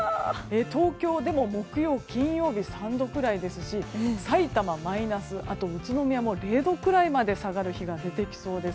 東京でも木曜、金曜日は３度くらいですしさいたまはマイナス宇都宮も０度くらいまで下がる日が出てきそうです。